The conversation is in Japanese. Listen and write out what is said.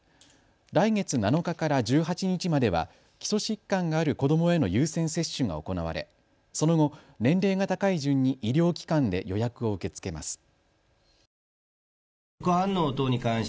来月７日から１８日までは基礎疾患がある子どもへの優先接種が行われその後、年齢が高い順に医療機関で予約を受け付けます。